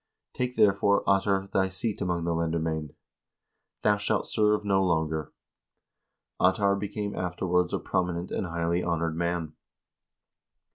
Take, therefore, Ottar, thy seat among the lendermcend. Thou shalt serve no longer." Ottar became afterwards a prominent and highly honored man.